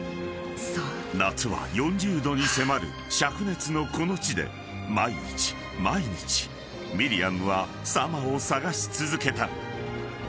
［夏は４０℃に迫る灼熱のこの地で毎日毎日ミリアムはサマを捜し続けた］